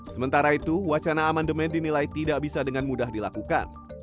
sementara itu wacana amandemen dinilai tidak bisa dengan mudah dilakukan